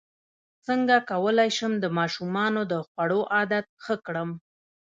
څنګه کولی شم د ماشومانو د خوړو عادت ښه کړم